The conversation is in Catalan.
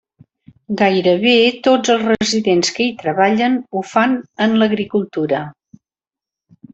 Gairebé tots els residents que hi treballen ho fan en l'agricultura.